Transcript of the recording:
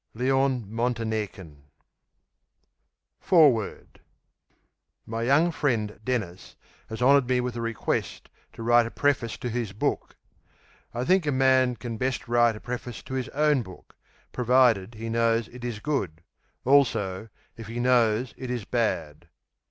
Leon Montenaeken Foreword My young friend Dennis has honoured me with a request to write a preface to his book. I think a man can best write a preface to his own book, provided he knows it is good. Also if he knows it is bad.